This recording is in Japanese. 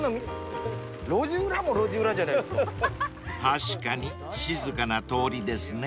［確かに静かな通りですね］